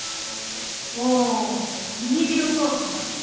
おミニビオトープ。